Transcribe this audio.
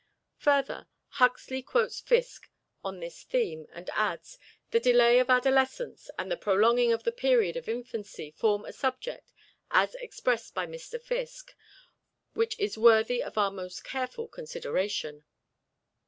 Further, Huxley quotes Fiske on this theme, and adds, "The delay of adolescence and the prolonging of the period of infancy form a subject, as expressed by Mr. Fiske, which is worthy of our most careful consideration."